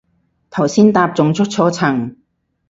頭先搭仲出錯層